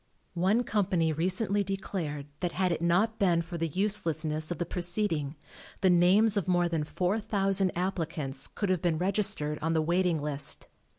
One company recently declared that, had it not been for the uselessness of the proceeding, the names of more than 4,000 applicants could have been registered on the waiting list.